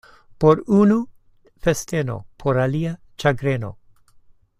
Por unu — festeno, por alia — ĉagreno.